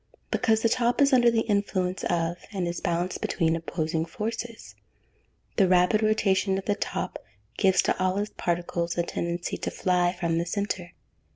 _ Because the top is under the influence of, and is balanced between opposing forces. The rapid rotation of the top gives to all its particles a tendency to fly from the centre.